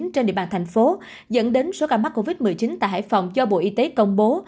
trên địa bàn thành phố dẫn đến số ca mắc covid một mươi chín tại hải phòng do bộ y tế công bố